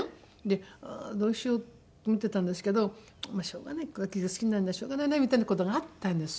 どうしよう？って見てたんですけどしょうがない亜紀が好きなんだしょうがないなみたいな事があったんです。